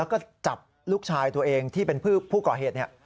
แล้วก็จับลูกชายตัวเองที่เป็นผู้ก่อเหตุเนี่ย